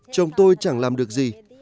chồng tôi chẳng làm được gì